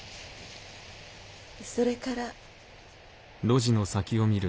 それから。